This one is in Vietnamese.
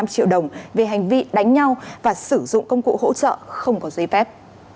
năm triệu đồng về hành vi đánh nhau và sử dụng công cụ hỗ trợ không có giấy phép